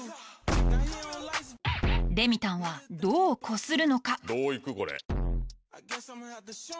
レミたんはどうコスるのか？